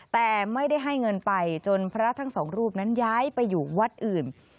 แต่ไม่ได้ให้เงินไปจนพระทั้งสองรูปนั้นย้ายไปอยู่วัดอื่น